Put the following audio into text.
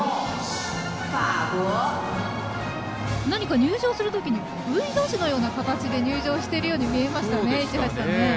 何か入場するときにＶの字のような形で入場しているように見えましたね。